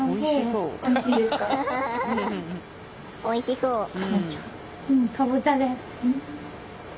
おいしそう。